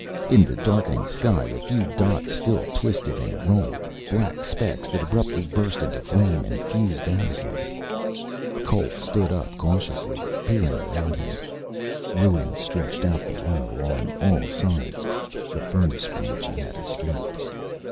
In the darkening sky a few dots still twisted and rolled, black specks that abruptly burst into flame and fused out again. Cole stood up cautiously, peering around him. Ruins stretched out below, on all sides, the furnace from which he had escaped.